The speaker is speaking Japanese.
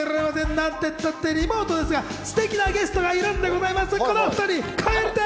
なんていったってリモートですが、すてきなゲストがいるんでございます、このお２人、蛙亭。